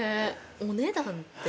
お値段って。